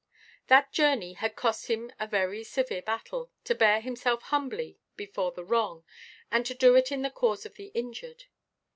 That journey had cost him a very severe battle, to bear himself humbly before the wrong, and to do it in the cause of the injured.